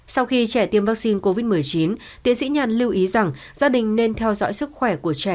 sau khi trẻ tiêm vaccine covid một mươi chín tiến sĩ nhàn lưu ý rằng gia đình nên theo dõi sức khỏe của trẻ